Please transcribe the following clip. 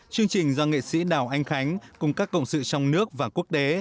chương trình do nghệ sĩ đào anh khánh cùng các cộng sự trong nước và quốc tế